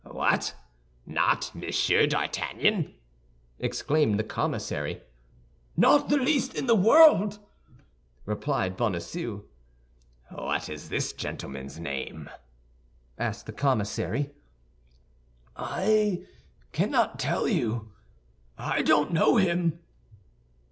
"What! Not Monsieur d'Artagnan?" exclaimed the commissary. "Not the least in the world," replied Bonacieux. "What is this gentleman's name?" asked the commissary. "I cannot tell you; I don't know him."